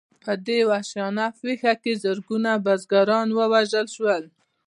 په دې وحشیانه پېښه کې زرګونه بزګران ووژل شول.